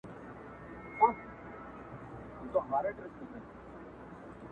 مرګ د زړو دی غم د ځوانانو-